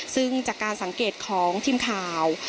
ซึ่งจากการสังเกตของทีมข่าว